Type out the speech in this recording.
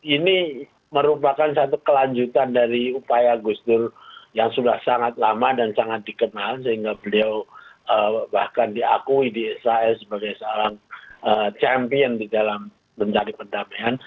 ini merupakan satu kelanjutan dari upaya gus dur yang sudah sangat lama dan sangat dikenal sehingga beliau bahkan diakui di israel sebagai seorang champion di dalam mencari perdamaian